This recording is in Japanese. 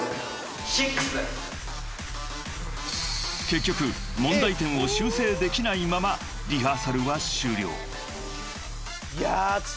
［結局問題点を修正できないままリハーサルは終了］やあついにきたか。